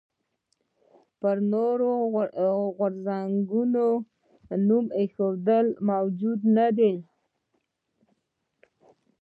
پر نورو غورځنګونو نوم ایښودل موجه نه دي.